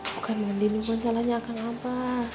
bukan mending bukan salahnya akang abah